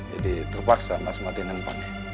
jadi terpaksa mas matiin handphonenya